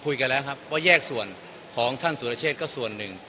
ว่าแยกส่วนของท่านสุรเชษก็ส่วนหนึ่ง